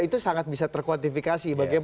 itu sangat bisa terkontifikasi bagi kita ya